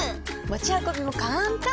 持ち運びも簡単！